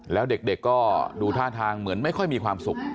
แล้วเด็กก็ดูท่าทางเหมือนไม่ค่อยมีความสุข